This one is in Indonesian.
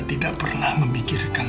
tidak pernah memikirkan